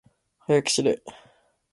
はやくしれ。